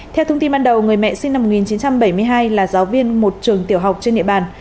theo thông tin ban đầu người mẹ sinh năm một nghìn chín trăm bảy mươi hai là giáo viên một trường tiểu học trên địa bàn